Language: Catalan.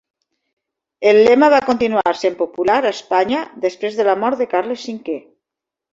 El lema va continuar sent popular a Espanya després de la mort de Carles V.